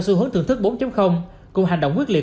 xu hướng thưởng thức bốn cùng hành động quyết liệt